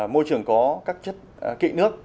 môi trường có các chất kị nước